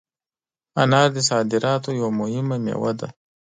انار د صادراتو یوه مهمه مېوه ده.